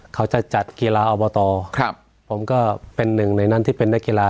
เขาจะจัดกีฬาอบตครับผมก็เป็นหนึ่งในนั้นที่เป็นนักกีฬา